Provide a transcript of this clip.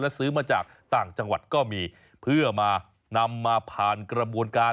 ซื้อมาจากต่างจังหวัดก็มีเพื่อมานำมาผ่านกระบวนการ